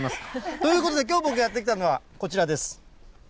ということで、きょう、僕やって来たのはこちらです。